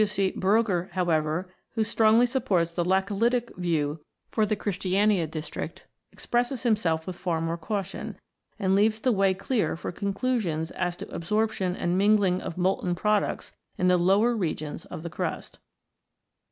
W. C. Brogger(72), however, who strongly supports the laccolitic view for the Christiania district, expresses himself with far more caution, and leaves the way clear for conclusions as to absorption and mingling of molten products in the lower regions of the crust.